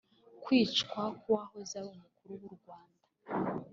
Kwicwa k’uwahoze ari umukuru w’u Rwanda